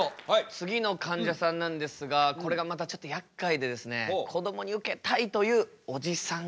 次のかんじゃさんなんですがこれがまたちょっとやっかいでこどもにウケたいというおじさん